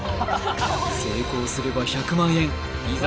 成功すれば１００万円いざ